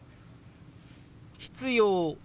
「必要」。